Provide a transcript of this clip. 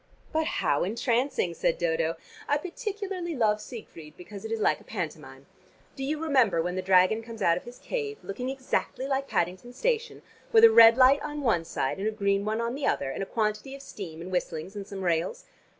"But how entrancing," said Dodo. "I particularly love Siegfried because it is like a pantomime. Do you remember when the dragon comes out of his cave looking exactly like Paddington station, with a red light on one side and a green one on the other, and a quantity of steam, and whistlings, and some rails?